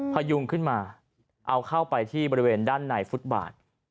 พยุงขึ้นมาเอาเข้าไปที่บริเวณด้านในฟุตบาท